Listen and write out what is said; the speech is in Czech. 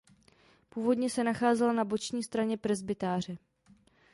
Původně se nacházel na boční stěně presbytáře.